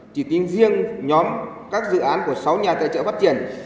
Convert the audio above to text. chỉ tính riêng nhóm các dự án của sáu nhà tài trợ phát triển